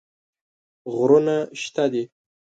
غرونه شته دي.